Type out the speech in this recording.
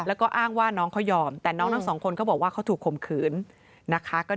แล้วก็อ้างว่าน้องเขายอมแต่น้องทั้งสองคนเขาบอกว่าเขาถูกข่มขืนนะคะ